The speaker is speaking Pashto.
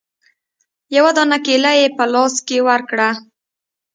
يوه دانه کېله يې په لاس کښې ورکړه.